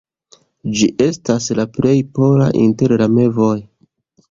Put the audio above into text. Ĝi estas la plej pola inter la mevoj.